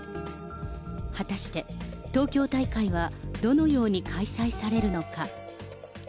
果たして東京大会はどのように開催されるのか。